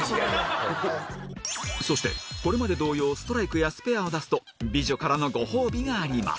そしてこれまで同様ストライクやスペアを出すと美女からのご褒美があります